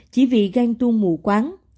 chỉ vì ghen tuôn